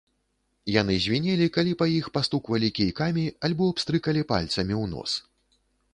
Яны звінелі, калі па іх пастуквалі кійкамі альбо пстрыкалі пальцамі ў нос.